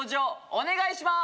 お願いします